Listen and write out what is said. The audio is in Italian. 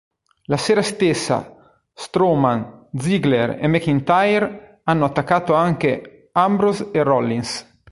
La sera stessa Strowman, Ziggler e McIntyre hanno attaccato anche Ambrose e Rollins.